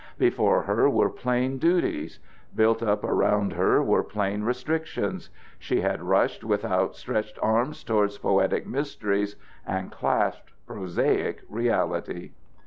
Before her were plain duties. Built up around her were plain restrictions. She had rushed with out stretched arms towards poetic mysteries, and clasped prosaic reality.